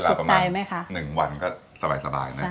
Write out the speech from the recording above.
ใช้เวลาประมาณ๑วันก็สบายแล้ว